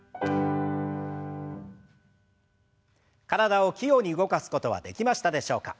体を器用に動かすことはできましたでしょうか。